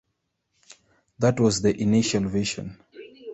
That was the initial vision.